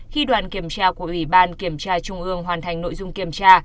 khi đoàn kiểm tra của ủy ban kiểm tra trung ương hoàn thành nội dung kiểm tra